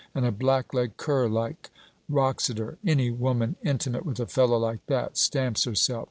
And a black leg cur like Wroxeter! Any woman intimate with a fellow like that, stamps herself.